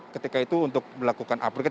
ketika itu untuk melakukan upgrade